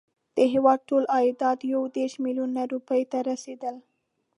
د هیواد ټول عایدات یو دېرش میلیونه روپیو ته رسېدل.